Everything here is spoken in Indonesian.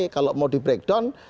kalau mau di breakdown